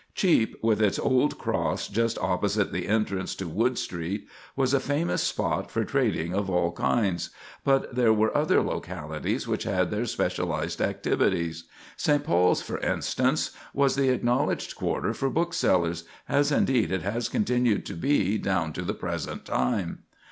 Cheap, with its old cross just opposite the entrance to Wood Street, was a famous spot for trading of all kinds; but there were other localities which had their specialized activities. St. Paul's, for instance, was the acknowledged quarter for booksellers, as indeed it has continued to be down to the present time.